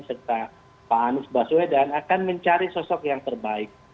serta pak anies baswedan akan mencari sosok yang terbaik